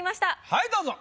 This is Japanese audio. はいどうぞ！